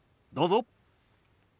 どうぞ。